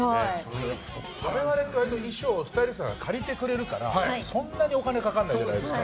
我々の衣装はスタイリストさんが借りてくれるからそんなにお金かからないわけじゃないですか。